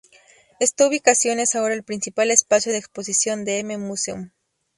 Esta ubicación es ahora el principal espacio de exposición de M Museum.